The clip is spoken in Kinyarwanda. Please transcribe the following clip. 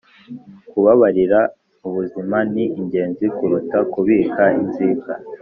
Kubabarira mubuzima ni ingenzi kuruta kubika inzika